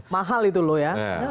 mahal itu loh ya